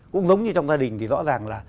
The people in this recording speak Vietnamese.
cũng giống như trong gia đình thì rõ ràng là